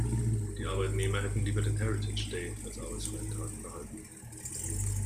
Die Arbeitnehmer hätten lieber den „Heritage Day“ als arbeitsfreien Tag behalten.